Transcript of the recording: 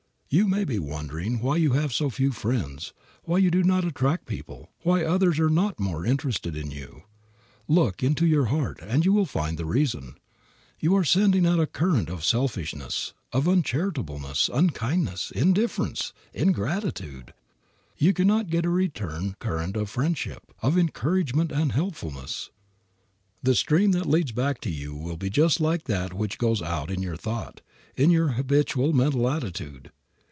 You may be wondering why you have so few friends, why you do not attract people, why others are not more interested in you. Look into your heart and you will find the reason. If you are sending out a current of selfishness, of uncharitableness, unkindness, indifference, ingratitude, you can not get a return current of friendship, of encouragement and helpfulness. The stream that leads back to you will be just like that which goes out in your thought, in your habitual mental attitude.